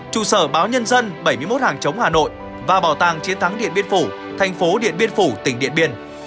trụ sở báo nhân dân bảy mươi một hàng chống hà nội và bảo tàng chiến thắng điện biên phủ thành phố điện biên phủ tỉnh điện biên